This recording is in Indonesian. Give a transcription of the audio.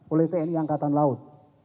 oleh tni angkatan laut